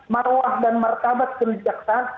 marwah dan martabat kejaksaan